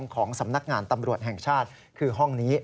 ของสำนักงานตำรวจแห่งชาติคือห้องนี้